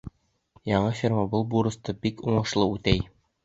Яңы ферма был бурысты бик уңышлы үтәй.